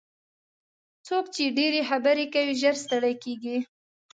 څوک چې ډېرې خبرې کوي ژر ستړي کېږي.